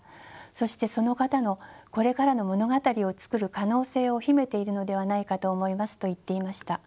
そしてその方のこれからの物語をつくる可能性を秘めているのではないかと思います」と言っていました。